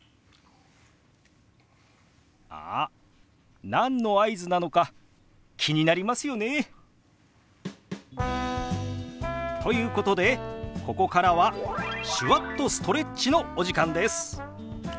あっ何の合図なのか気になりますよね？ということでここからは手話っとストレッチのお時間です。